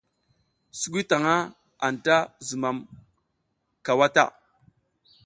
Sukuy taƞʼha anta zumam cawa ta.